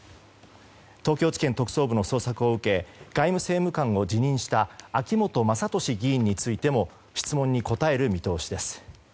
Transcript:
東京地検特捜部の捜索を受け外務政務官を辞任した秋本真利議員についても質問に答える見通しです。